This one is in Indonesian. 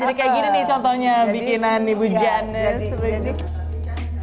jadi kayak gini nih contohnya bikinan ibu janis